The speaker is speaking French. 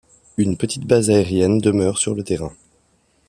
Une petite base aérienne demeure sur le terrain.